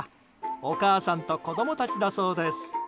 お母さんと子供たちだそうです。